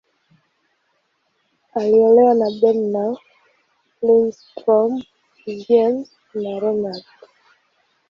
Aliolewa na Bernow, Lindström, Ziems, na Renat.